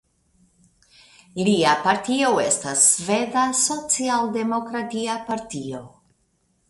Lia partio estas Sveda socialdemokratia partio.